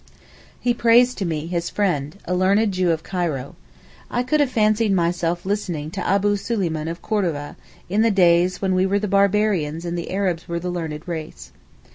He praised to me his friend, a learned Jew of Cairo. I could have fancied myself listening to Abu Suleyman of Cordova, in the days when we were the barbarians and the Arabs were the learned race.